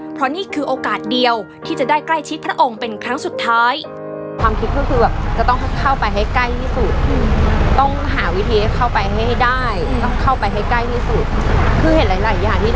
เพราะนี่คือโอกาสเดียวที่จะได้ใกล้ชิดพระองค์เป็นครั้งสุดท้าย